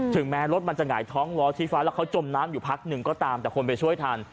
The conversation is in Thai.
ถึงแม้รถมันจะหงายท้องล้อชี้ฟ้าแล้วเขาจมน้ำอยู่พักหนึ่งก็ตามแต่คนไปช่วยทัน